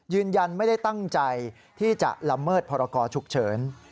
ยืนยันไม่ได้ตั้งใจที่จะละเมิดพรกรฉุกเฉิน